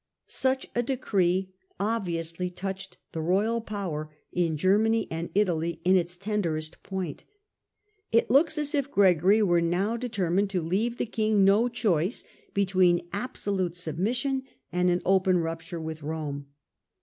Such a decree obviously touched the royal power in Germany and Italy in its tenderest point. It looks as if Gregory was now determined to leave the king no choice between absolute submission and an open rupture with Rome.